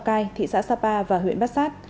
cai thị xã sapa và huyện bát sát